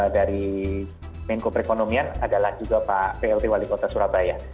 dari menko perekonomian adalah juga pak plt wali kota surabaya